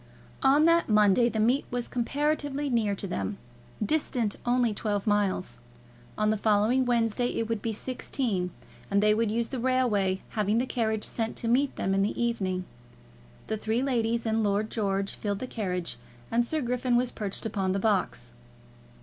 On that Monday the meet was comparatively near to them, distant only twelve miles. On the following Wednesday it would be sixteen, and they would use the railway, having the carriage sent to meet them in the evening. The three ladies and Lord George filled the carriage, and Sir Griffin was perched upon the box.